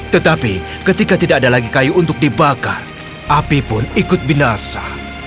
tetapi ketika tidak ada lagi kayu untuk dibakar api pun ikut binasa